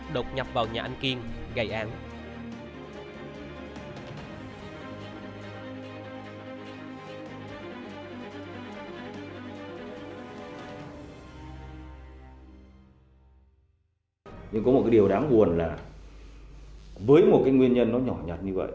đột nhập vào nhà anh kiên gây án